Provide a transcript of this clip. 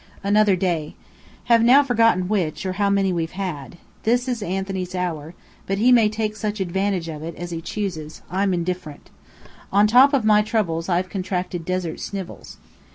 Another Day: Have now forgotten which, or how many we've had. This is Anthony's hour but he may take such advantage of it as he chooses I'm indifferent. On top of my troubles I've contracted Desert Snivels.